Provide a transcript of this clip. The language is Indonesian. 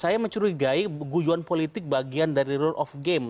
saya mencurigai guyon politik bagian dari rule of game